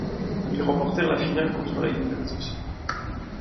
Ils remportèrent la finale contre la Juventus.